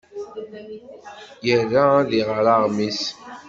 Ira ad iɣer aɣmis.